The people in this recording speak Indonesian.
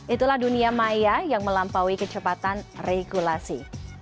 itulah dunia maya yang melampaui kecepatan regulasi